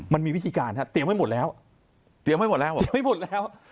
มันมีวิธีการครับเตรียมให้หมดแล้ว